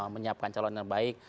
menyiapkan calon yang baik